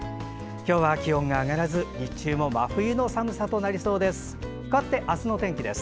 今日は気温は上がらず日中も真冬の寒さとなりそうです。